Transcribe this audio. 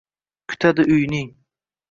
kutadi uyning